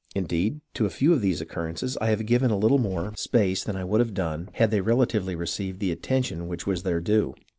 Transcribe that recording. Indeed, to a few of these occur rences I have given a little more space than I would have done had they relatively received the attention which was their due.